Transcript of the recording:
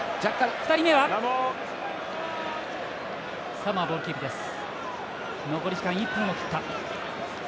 サモア、ボールキープです。